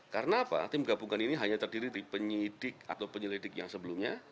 karena apa tim gabungan ini hanya terdiri dari penyidik atau penyelidik yang sebelumnya